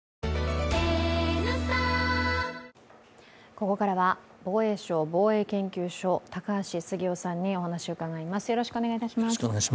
ここからは防衛省防衛研究所高橋杉雄さんにお話を伺います。